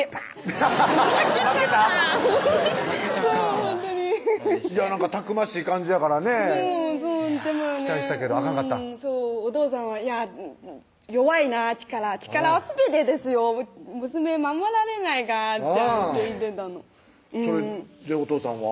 アハハハッ負けちゃったそうほんとになんかたくましい感じやからね期待したけどあかんかったそうお父さんは「いや弱いな力」「力はすべてですよ娘守られないから」と言ってたのそれでお父さんは？